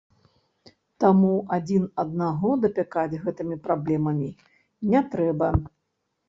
Таму адзін аднаго дапякаць гэтымі праблемамі не трэба.